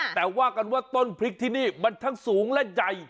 แต่ว่ากันว่าต้นพริกที่นี่มันทั้งสูงและใหญ่